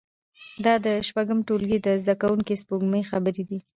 دا د شپږم ټولګي د زده کوونکې سپوږمۍ خبرې دي